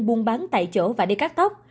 buôn bán tại chỗ và đi cắt tóc